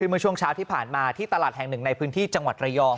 เมื่อช่วงเช้าที่ผ่านมาที่ตลาดแห่งหนึ่งในพื้นที่จังหวัดระยอง